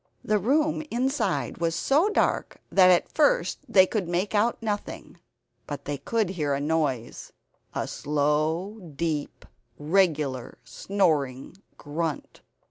The room inside was so dark that at first they could make out nothing; but they could hear a noise a slow deep regular snoring grunt.